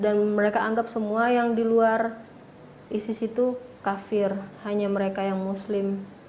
dan mereka anggap semua yang di luar isis itu kafir hanya mereka yang muslim